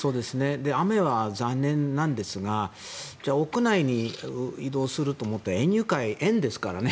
雨は残念なんですが屋内に移動すると思って園遊会、園ですからね。